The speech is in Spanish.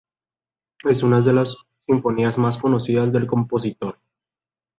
Es una de las sinfonías más conocidas del compositor.